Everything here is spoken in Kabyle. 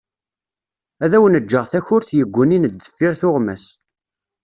Ad awen-ğğeγ takurt yeggunin deffir tuγmas.